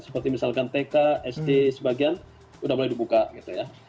seperti misalkan tk sd sebagian sudah mulai dibuka gitu ya